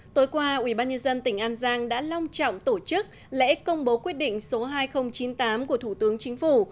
tối qua ubnd tỉnh an giang đã long trọng tổ chức lễ công bố quyết định số hai nghìn chín mươi tám của thủ tướng chính phủ